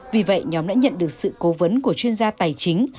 vì vậy nhóm đã nhận được sự cố vấn của chuyên gia tài chính